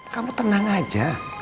kamu tenang aja